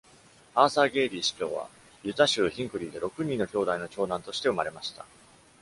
アーサー・ゲイリー司教は、ユタ州ヒンクリーで六人の兄弟の長男として生まれました。